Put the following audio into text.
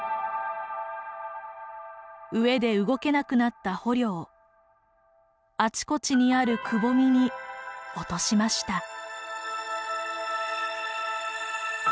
飢えで動けなくなった捕虜をあちこちにあるくぼみに落としました。